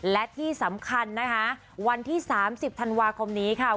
และที่สำคัญนะคะวันที่๓๐ธันวาคมนี้ค่ะ